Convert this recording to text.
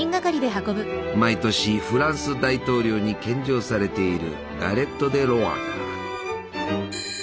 毎年フランス大統領に献上されているガレット・デ・ロワだ。